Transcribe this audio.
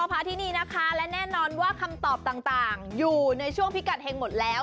พาที่นี่นะคะและแน่นอนว่าคำตอบต่างอยู่ในช่วงพิกัดเฮงหมดแล้ว